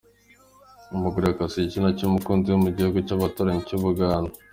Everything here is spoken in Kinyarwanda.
Umugore yakase igitsina cy’umukunzi we mugihugu cyabaturanyi cyubuganda